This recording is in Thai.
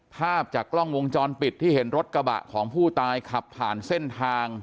ภาพจากกล้องวงจรปิดที่เห็นรถกระบะของผู้ตายขับผ่านเส้นทาง